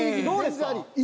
どうですか？